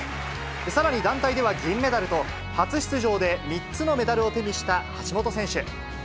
さらに団体では銀メダルと、初出場で３つのメダルを手にした橋本選手。